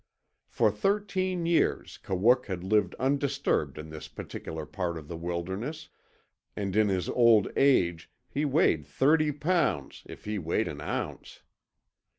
For thirteen years Kawook had lived undisturbed in this particular part of the wilderness, and in his old age he weighed thirty pounds if he weighed an ounce.